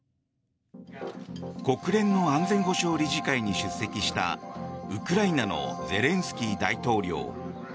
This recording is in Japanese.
国連の安全保障理事会に出席したウクライナのゼレンスキー大統領。